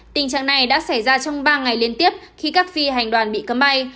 tình trạng này đã xảy ra trong ba ngày liên tiếp khi các phi hành đoàn bị cấm bay